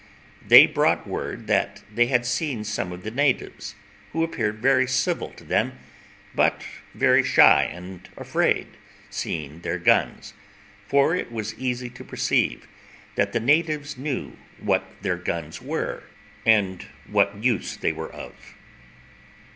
They brought word that they had seen some of the natives, who appeared very civil to them, but very shy and afraid, seeing their guns, for it was easy to perceive that the natives knew what their guns were, and what use they were of.